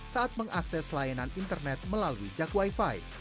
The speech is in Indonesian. saat mengakses layanan internet melalui jak wifi